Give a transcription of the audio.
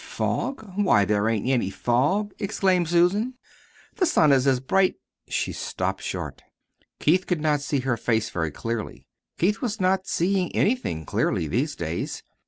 "Fog? Why, there ain't any fog!" exclaimed Susan. "The sun is as bright " She stopped short. Keith could not see her face very clearly Keith was not seeing anything clearly these days.